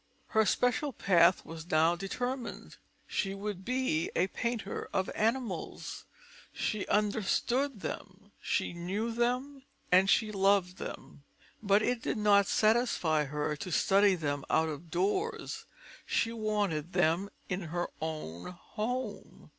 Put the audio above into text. Her special path was now determined: she would be a painter of animals. She understood them, she knew them, and loved them. But it did not satisfy her to study them out of doors; she wanted them in her own home.